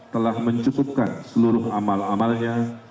telah mencukupkan seluruh amal amalnya